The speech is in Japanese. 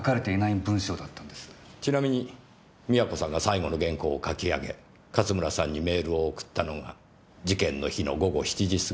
ちなみに美和子さんが最後の原稿を書き上げ勝村さんにメールを送ったのが事件の日の午後７時過ぎ。